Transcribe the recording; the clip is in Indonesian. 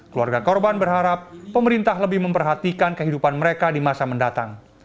keluarga korban berharap pemerintah lebih memperhatikan kehidupan mereka di masa mendatang